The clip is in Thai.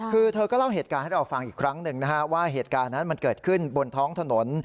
คือเธอก็เล่าเหตุการณ์ให้เราฟังอีกครั้งหนึ่งนะฮะว่าเหตุการณ์นั้นมันเกิดขึ้นบนท้องถนน